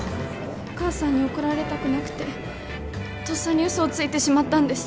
お母さんに怒られたくなくてとっさに嘘をついてしまったんです